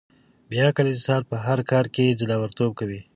بې عقل انسانان په هر کار کې ځناورتوب کوي.